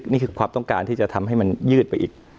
นี่คือความต้องการที่จะทำให้มันยืดไปอีก